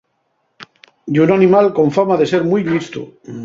Ye un animal con fama de ser mui llistu.